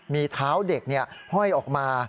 มีเท้าเด็กห้อยออกมา